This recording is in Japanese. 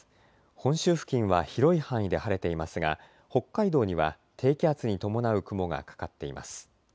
本州付近は広い範囲で晴れていますが北海道には低気圧に伴う雲がかかっています。